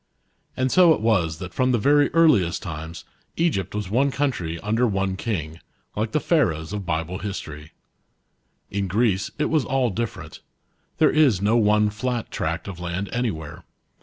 * And so* it was that from the very earliest times Egypt was one country under one king, like the Pharaohs of Bible history. In Greece it was all different. There is no one flat tract of land anywhere.